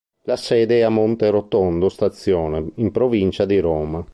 La sede è a Monterotondo Stazione in provincia di Roma.